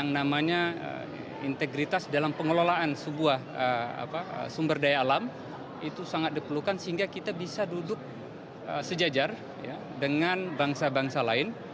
yang namanya integritas dalam pengelolaan sebuah sumber daya alam itu sangat diperlukan sehingga kita bisa duduk sejajar dengan bangsa bangsa lain